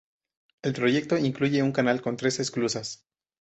El proyecto incluye un canal con tres esclusas.